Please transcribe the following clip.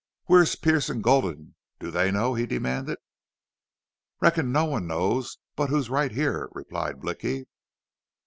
"Where're Pearce and Gulden? Do they know?" he demanded. "Reckon no one knows but who's right here," replied Blicky.